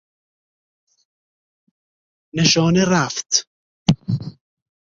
نشانه رفت